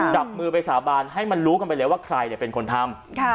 จับมือไปสาบานให้มันรู้กันไปเลยว่าใครเป็นคนทำ